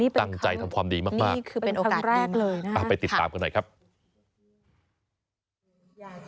ตั้งใจทำความดีมากนะครับไปติดตามกันหน่อยครับอ๋อนี่คือเป็นคำแรกเลยนะครับ